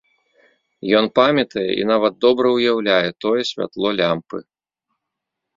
Ён памятае і нават добра ўяўляе тое святло лямпы.